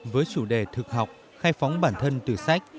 với chủ đề thực học khai phóng bản thân từ sách